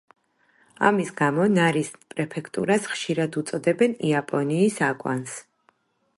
ამის გამო ნარის პრეფექტურას ხშირად უწოდებენ „იაპონიის აკვანს“.